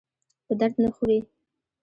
په درد نه خوري.